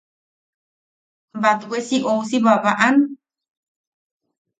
–¿Batwe si ousi babaʼam?